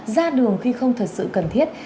ra đường khi không thật sự cần thiết